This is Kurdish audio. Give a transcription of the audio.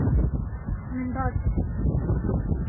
Min bar kir.